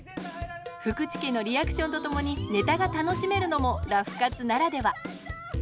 福池家のリアクションとともにネタが楽しめるのも「ラフ活」ならでは。